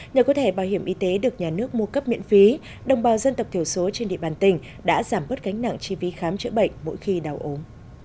nhờ có thể bảo hiểm y tế được nhà nước mua cấp miễn phí đồng bào dân tộc thiểu số trên địa bàn tỉnh đã giảm bớt gánh nặng chi phí khám chữa bệnh mỗi khi đau ốm